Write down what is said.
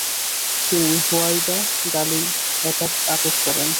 তিনি Huwaida Galli আটক করেন।